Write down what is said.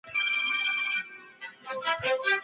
دغه حاجي چي دی په رښتیا چي د شپاڼس کلنو سره اوسی.